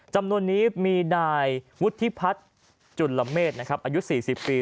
จำนวนนี้มีนายวุฒิพัฒน์จุลเมษอายุ๔๐ปี